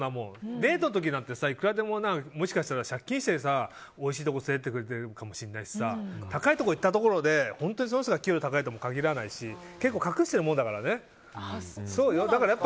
デートの時なんて、いくらでももしかしたら借金しておいしいとこ連れて行ってくれているかもしれないしさ高いところ行ったところで本当に、その人が給料高いとは限らないし結構隠してるもんだからね。